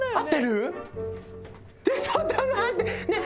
ちょっと待ってねえ